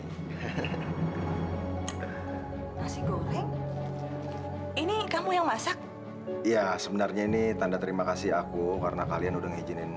ini kamu yang masak ya sebenarnya ini tanda terima kasih aku karena kalian udah ngijinin